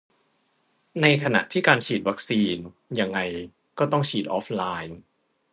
ในขณะที่การฉีดวัคซีน ยังไงก็ต้องฉีดออฟไลน์